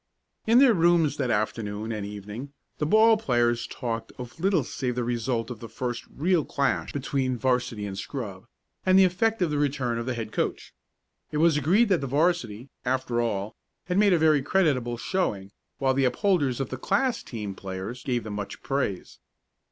In their rooms that afternoon and evening the ball players talked of little save the result of the first real clash between 'varsity and scrub, and the effect of the return of the head coach. It was agreed that the 'varsity, after all, had made a very creditable showing, while the upholders of the class team players gave them much praise.